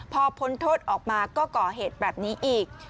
พอพ้นโทษออกมาก็ก่อเหตุแบบนี้อีก